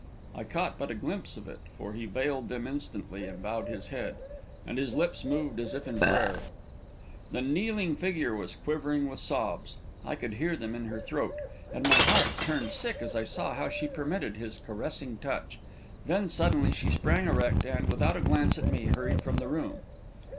I caught but a glimpse of it, for he veiled them instantly and bowed his head, and his lips moved as if in prayer. The kneeling figure was quivering with sobs; I could hear them in her throat; and my heart turned sick as I saw how she permitted his caressing touch. Then, suddenly, she sprang, erect, and, without a glance at me, hurried from the room.